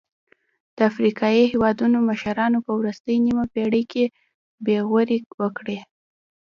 د افریقايي هېوادونو مشرانو په وروستۍ نیمه پېړۍ کې بې غوري وکړه.